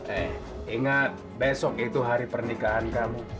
eh ingat besok itu hari pernikahan kamu